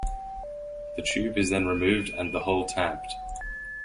The tube is then removed, and the hole tamped.